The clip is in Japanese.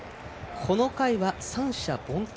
この回は、三者凡退。